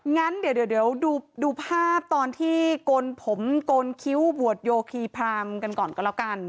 งั้นเดี๋ยวดูภาพตอนที่โกนผมโกนคิ้วบวชโยคีพรามกันก่อนก็แล้วกัน